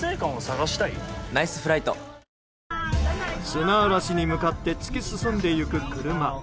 砂嵐に向かって突き進んでいく車。